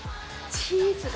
チーズが。